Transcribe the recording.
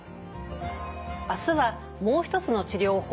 明日はもう一つの治療法手術です。